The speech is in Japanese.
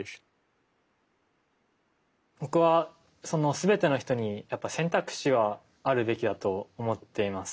僕は全ての人に選択肢はあるべきだと思っています。